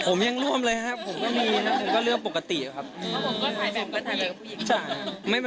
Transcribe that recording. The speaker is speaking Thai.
ผมยังร่วมเลยครับผมก็มีนะผมก็เรื่องปกติครับ